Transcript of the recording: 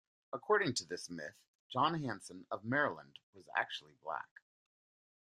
According to this myth, John Hanson of Maryland was actually black.